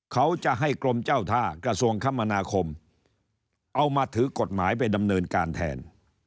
เขาจะให้กรมเจ้าท่ากระทรวงคมนาคมเอามาถือกฎหมายไปดำเนินการแทน